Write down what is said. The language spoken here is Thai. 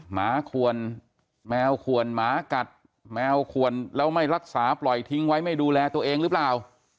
หมาขวนแมวขวนหมากัดแมวขวนแล้วไม่รักษาปล่อยทิ้งไว้ไม่ดูแลตัวเองหรือเปล่า